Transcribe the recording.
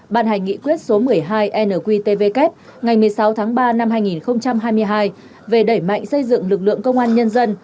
bàn hành nghị quyết số một mươi hai nqtvk ngày một mươi sáu tháng ba năm hai nghìn hai mươi hai về đẩy mạnh xây dựng lực lượng công an nhân dân